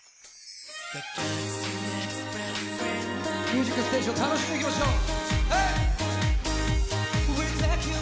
「ミュージックステーション」楽しんでいきましょう！